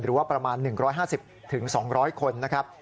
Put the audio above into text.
หรือว่าประมาณ๑๕๐๒๐๐คนนะครับ